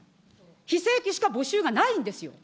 非正規しか募集がないんですよ。